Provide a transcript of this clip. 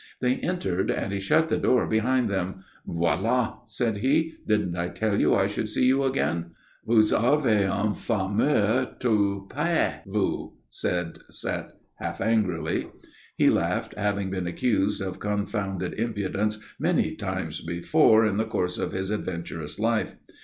They entered, and he shut the door behind them. "Voilà!" said he. "Didn't I tell you I should see you again?" "Vous avez un fameux toupet, vous!" said Zette, half angrily. He laughed, having been accused of confounded impudence many times before in the course of his adventurous life.